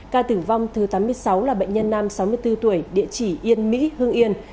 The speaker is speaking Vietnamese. ca tử vong thứ tám mươi sáu là bệnh nhân nam sáu mươi bốn tuổi địa chỉ yên mỹ hương yên